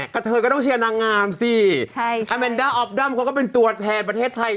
เธอก็ต้องเชียร์นางงามสิอาแมนด้าออฟดัมเขาก็เป็นตัวแทนประเทศไทย